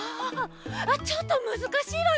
ちょっとむずかしいわね。